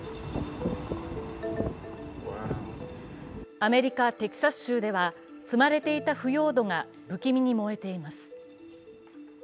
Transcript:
アメリカ・テキサス州では積まれた腐葉土が不気味に燃えています。